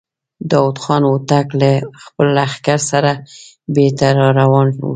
داوود خان هوتک له خپل لښکر سره بېرته را روان و.